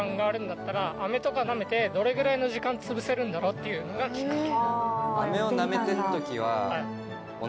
っていうのがきっかけ。